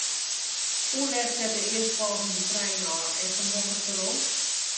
Hoe let set de earstfolgjende trein ôf en fan hokker perron?